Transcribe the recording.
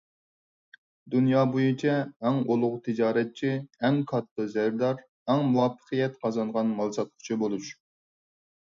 دۇنيا بويىچە ئەڭ ئۇلۇغ تىجارەتچى، ئەڭ كاتتا زەردار، ئەڭ مۇۋەپپەقىيەت قازانغان مال ساتقۇچى بولۇش.